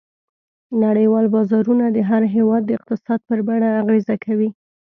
نړیوال بازارونه د هر هېواد د اقتصاد پر بڼه اغېزه کوي.